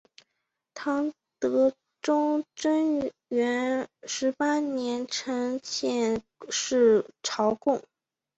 唐德宗贞元十八年曾遣使朝贡。